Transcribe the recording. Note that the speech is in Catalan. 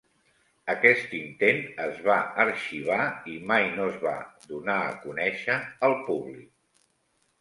Aquest intent es va arxivar i mai no es va donar a conèixer al públic.